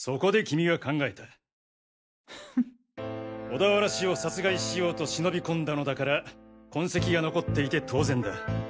小田原氏を殺害しようと忍び込んだのだから痕跡が残っていて当然だ。